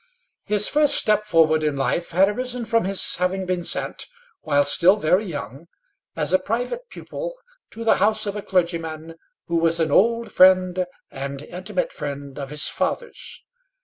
His first step forward in life had arisen from his having been sent, while still very young, as a private pupil to the house of a clergyman, who was an old friend and intimate friend of his father's.